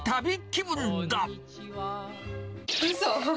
うそ！